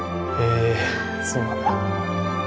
へえそうなんだ